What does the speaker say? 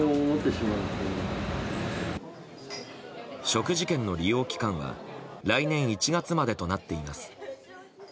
食事券の利用期間は来年１月までとなっています。